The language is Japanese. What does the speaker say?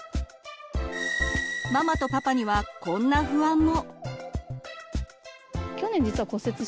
ママとパパにはこんな不安も。